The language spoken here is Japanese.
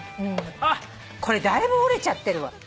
あっこれだいぶ折れちゃってるわ。